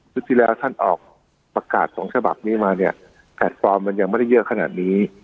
ที่แล้วท่านออกประกาศสองฉบับนี้มาเนี่ยแพลตฟอร์มมันยังไม่ได้เยอะขนาดนี้